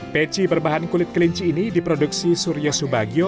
peci berbahan kulit kelinci ini diproduksi surya subagyo